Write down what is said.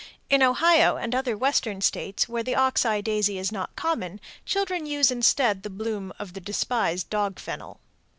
_ In Ohio and other Western States where the ox eye daisy is not common, children use instead the bloom of the despised dog fennel.